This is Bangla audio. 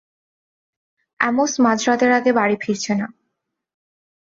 অ্যামোস মাঝরাতের আগে বাড়ি ফিরছে না।